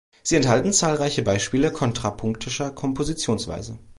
Sie enthalten zahlreiche Beispiele kontrapunktischer Kompositionsweise.